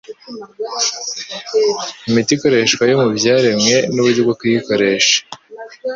imiti ikoreshwa yo mu byaremwe n’uburyo bwo kuyikoresha.